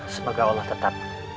semoga allah tetap